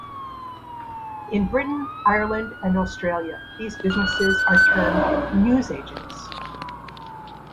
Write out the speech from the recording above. In Britain, Ireland and Australia, these businesses are termed "newsagents".